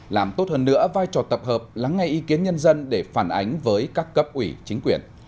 làm tốt hơn nữa vai trò tập hợp lắng ngay ý kiến nhân dân để phản ánh với các cấp ủy chính quyền